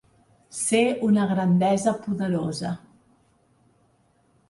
Ser una grandesa poderosa.